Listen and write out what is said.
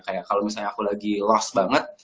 kayak kalau misalnya aku lagi love banget